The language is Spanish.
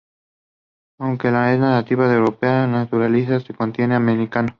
Aunque es nativa de Europa está naturalizada en el continente americano.